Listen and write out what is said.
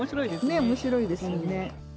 ねっ面白いですよね。